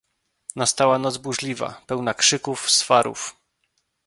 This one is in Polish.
"Nastała noc burzliwa, pełna krzyków, swarów."